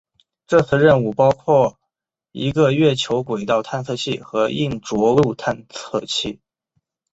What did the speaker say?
这次任务包括一个月球轨道探测器和硬着陆探测器。